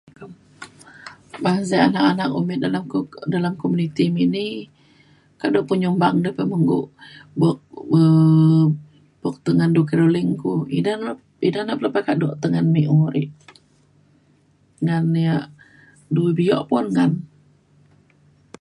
bahasa anak anak umit dalem ko- dalem komuniti mik ni kado penyumbang de pemengguk buk um buk tu ngan carolling ku ida na ida na pelepah kado tengen ngan me urek ngan ia' du bio pun ngan